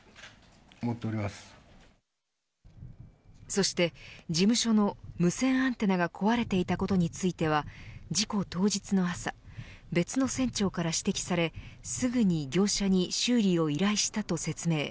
そして事務所の無線アンテナが壊れていたことについては事故当日の朝別の船長から指摘されすぐに業者に修理を依頼したと説明。